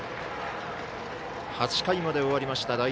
８回まで終わりました。